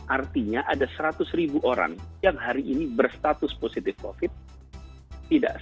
artinya ada seratus ribu orang yang hari ini berstatus positif covid sembilan belas